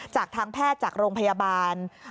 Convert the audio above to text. จากทางแพทย์จากโรงพยาบาล